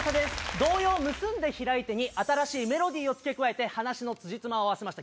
童謡、むすんでひらいてに、新しいメロディーを付け加えて、話のつじつまを合わせました。